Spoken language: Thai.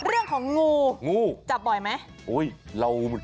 เรื่องของงูงูจับบ่อยไหม